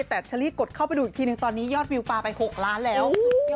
แต่เชอรี่กดเข้าไปดูอีกทีนึงตอนนี้ยอดวิวปลาไป๖ล้านแล้ว